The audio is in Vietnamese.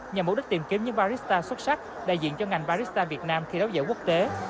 nhằm mục đích tìm kiếm những barista xuất sắc đại diện cho ngành barista việt nam khi đấu giải quốc tế